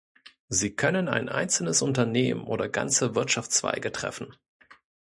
Sie können ein einzelnes Unternehmen oder ganze Wirtschaftszweige treffen.